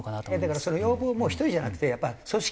だからその要望も１人じゃなくて組織。